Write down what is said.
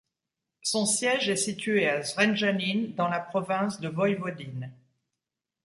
Son siège est situé à Zrenjanin, dans la province de Voïvodine.